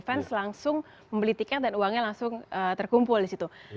fans langsung membeli tiket dan uangnya langsung terkumpul disitu